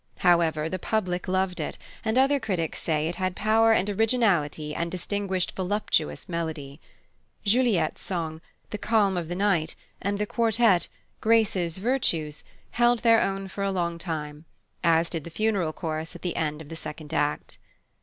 However, the public loved it, and other critics say it had power and originality and distinguished voluptuous melody. Juliette's song, "The calm of the night," and the quartet, "Graces, virtues," held their own for a long time; as did the funeral chorus at the end of the second act.